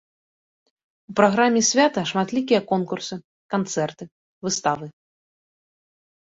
У праграме свята шматлікія конкурсы, канцэрты, выставы.